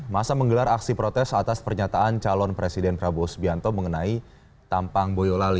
masa menggelar aksi protes atas pernyataan calon presiden prabowo subianto mengenai tampang boyolali